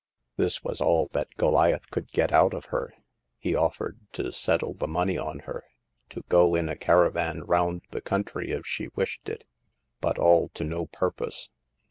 This was all that Goliath could get out of her. He offered to settle the money on her, to go in a caravan round the country if she wished it ; but all to no purpose.